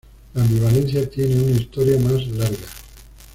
La ambivalencia tiene una historia más larga.